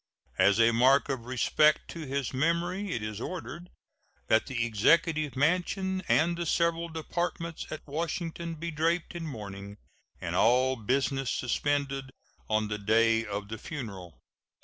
As a mark of respect to his memory, it is ordered that the Executive Mansion and the several Departments at Washington be draped in mourning, and all business suspended on the day of the funeral.